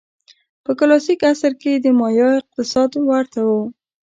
په کلاسیک عصر کې د مایا اقتصاد ورته و.